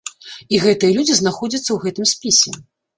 І гэтыя людзі знаходзяцца ў гэтым спісе.